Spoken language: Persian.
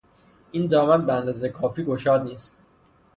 این دامن به اندازهی کافی گشاد نیست.